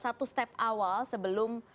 satu step awal sebelum